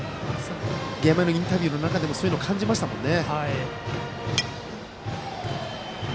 ゲーム前のインタビューの中でもそういうのを感じましたものね。